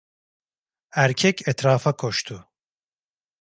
Erkek etrafa koştu.